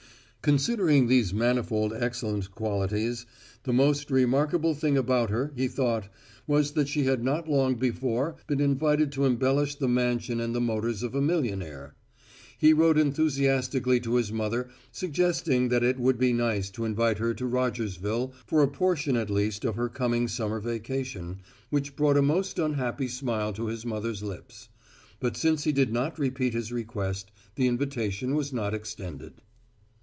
Considering these manifold excellent qualities, the most remarkable thing about her, he thought, was that she had not long before been invited to embellish the mansion and the motors of a millionaire. He wrote enthusiastically to his mother suggesting that it would be nice to invite her to Rogersville for a portion at least of her coming summer vacation, which brought a most unhappy smile to his mother's lips. But since he did not repeat his request, the invitation was not extended.